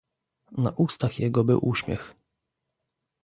"Na ustach jego był uśmiech..."